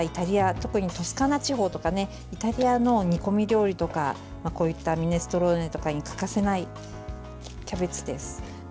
特に、トスカーナ地方とかイタリアの煮込み料理とかこういったミネストローネとかに欠かせないキャベツです。